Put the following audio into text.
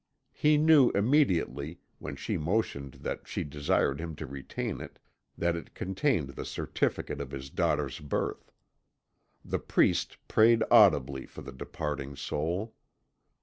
He knew immediately, when she motioned that she desired him to retain it, that it contained the certificate of his daughter's birth. The priest prayed audibly for the departing soul.